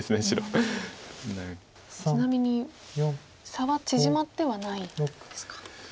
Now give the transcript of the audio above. ちなみに差は縮まってはないですか。